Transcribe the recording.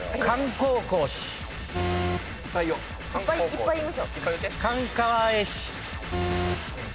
いっぱい言いましょう。